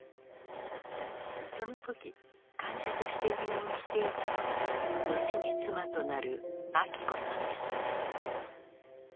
その時患者として入院していたのが後に妻となる昭子さんです。